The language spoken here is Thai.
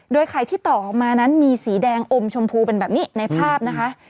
โดยไข่ที่ต่อออกมานั้นมีสีแดงอมชมพูเป็นแบบนี้ในภาพนะคะ